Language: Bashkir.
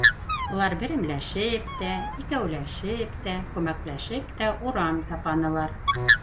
Улар берәмләшеп тә, икәүләшеп тә, күмәкләшеп тә урам тапанылар.